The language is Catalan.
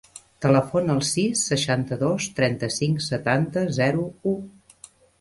Telefona al sis, seixanta-dos, trenta-cinc, setanta, zero, u.